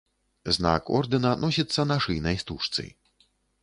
Знак ордэна носіцца на шыйнай стужцы.